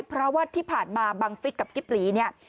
เพราะว่าที่ผ่านมาบังฟิศกับกิ๊บหลีเนี่ย